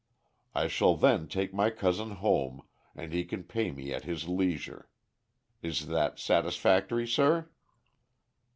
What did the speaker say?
I shall then take my cousin home, and he can pay me at his leisure. Is that satisfactory, sir?"